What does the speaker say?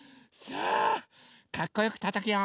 さあかっこよくたたくよ。